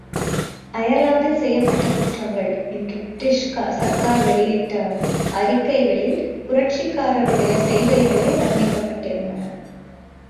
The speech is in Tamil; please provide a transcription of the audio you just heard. அயர்லாந்தில் செய்யப்பட்ட குற்றங்கள் என்று பிரிட்டிஷ் சர்க்கார்வெளியிட்ட அறிக்கைகளில் புரட்சிக்காரருடைய செய்கைகளே வர்ணிக்கப்பட்டிருந்தன.